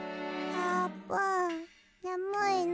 あーぷんねむいの？